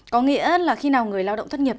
có nghĩa là khi nào người lao động thất nghiệp